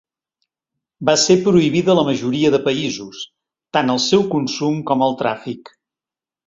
Va ser prohibida a la majoria de països, tant el seu consum com el tràfic.